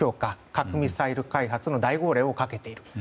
核・ミサイル開発の大号令をかけている。